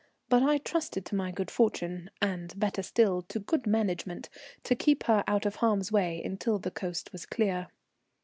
But I trusted to my good fortune, and, better still, to good management, to keep her out of harm's way until the coast was clear.